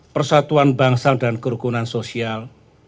persatuan bangsa dan kerukunan sosial